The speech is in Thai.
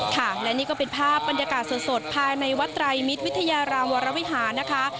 ค่ะและนี่ก็เป็นภาพบรรยากาศสดภายในวัดไตรมิตรวิทยารามวรวิหารนะคะ